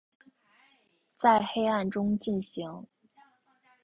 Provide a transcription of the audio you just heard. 在黑暗中进行